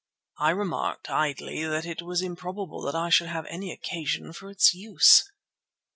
I remarked idly that it was improbable that I should have any occasion for its use.